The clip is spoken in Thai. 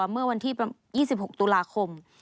เมื่อวันที่๒๖ตุลาคม